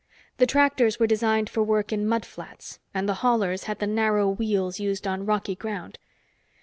The tractors were designed for work in mud flats and the haulers had the narrow wheels used on rocky ground.